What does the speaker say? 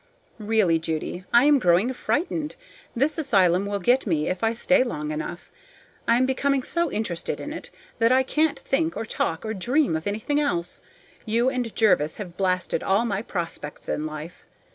Really, Judy, I am growing frightened. This asylum will get me if I stay long enough. I am becoming so interested in it that I can't think or talk or dream of anything else. You and Jervis have blasted all my prospects in life.